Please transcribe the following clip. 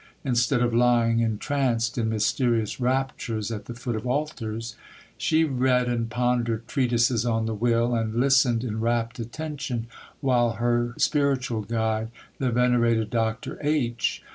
Instead of lying entranced in mysterious raptures at the foot of altars, she read and pondered treatises on the Will, and listened in rapt attention while her spiritual guide, the venerated Dr. H.